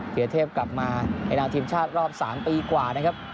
เทพกลับมาในนามทีมชาติรอบ๓ปีกว่านะครับ